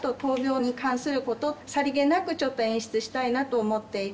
あとさりげなくちょっと演出したいなと思っていて。